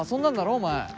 お前。